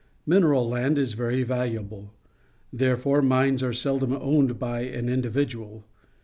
Mineral land is very valuable. Therefore mines are sel dom owned by an individual.